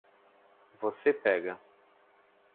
Você pega